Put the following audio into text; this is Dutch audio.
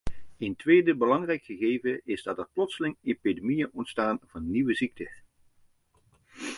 Een tweede belangrijk gegeven is dat er plotseling epidemieën ontstaan van nieuwe ziekten.